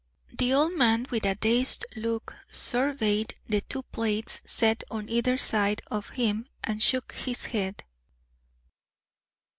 The old man with a dazed look surveyed the two plates set on either side of him and shook his head.